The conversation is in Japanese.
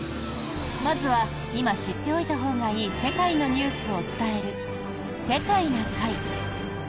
まずは今、知っておいたほうがいい世界のニュースを伝える「世界な会」。